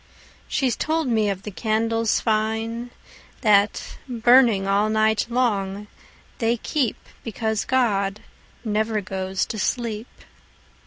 She's told me of the candles fineThat, burning all night long, they keepBecause God never goes to sleep.